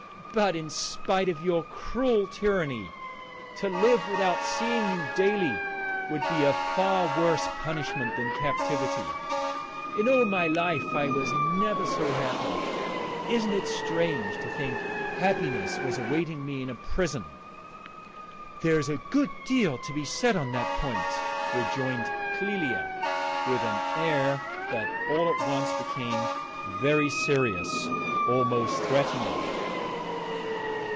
But in spite of your cruel tyranny, to live without seeing you daily would be a far worse punishment than captivity; in all my life I was never so happy! Isn't it strange to think happiness was awaiting me in a prison?" "There is a good deal to be said on that point," rejoined Clélia, with an air that all at once became very serious, almost threatening.